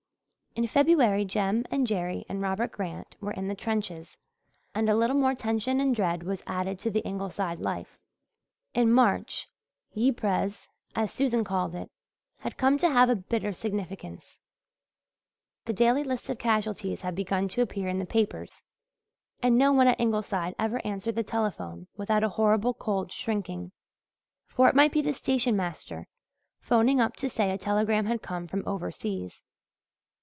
In February Jem and Jerry and Robert Grant were in the trenches and a little more tension and dread was added to the Ingleside life. In March "Yiprez," as Susan called it, had come to have a bitter significance. The daily list of casualties had begun to appear in the papers and no one at Ingleside ever answered the telephone without a horrible cold shrinking for it might be the station master phoning up to say a telegram had come from overseas.